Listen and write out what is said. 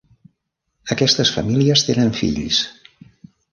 Aquestes famílies tenen fills.